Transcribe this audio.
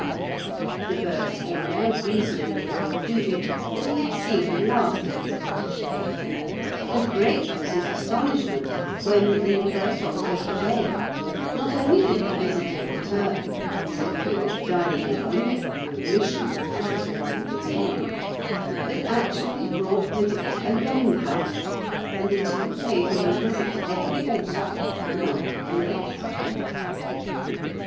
The bird's owner reasonably concluded that he had seen the last of his protégée, and great was his astonishment when, in the first October gale, not only did the visitor return, tapping at the dining room window for admission, as it had always done, but actually brought with it a young gull, and the two paid him a visit every autumn for a number of years.